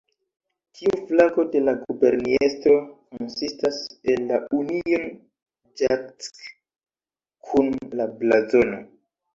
Tiu flago de la guberniestro konsistas el la Union Jack kun la blazono.